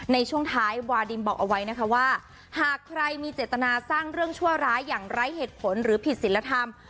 ในช่วงท้ายวาดิมบอกเอาไว้นะคะว่าหากใครมีเจตนาสร้างเรื่องชั่วร้ายอย่างไร้เหตุผลหรือผิดศิลธรรม